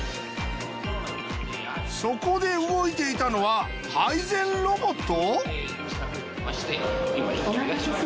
そこで動いていたのは配膳ロボット？